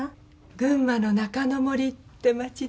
群馬の中之森って町の。